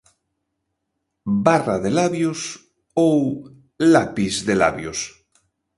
'Barra de labios' ou 'Lapis de labios'.